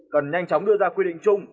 cần nhanh chóng đưa ra quy định chung